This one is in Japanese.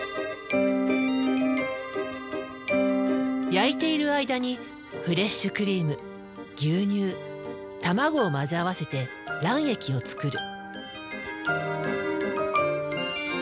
焼いている間にフレッシュクリーム牛乳たまごを混ぜ合わせて卵液を作る。